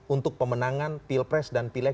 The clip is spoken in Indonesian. untuk pemenangan pilpres dan pilek